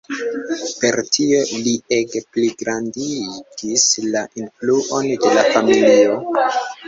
Per tio li ege pligrandigis la influon de la familio.